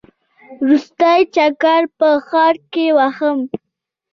وروستی چکر په ښار کې وهم.